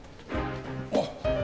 あっ。